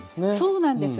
そうなんです。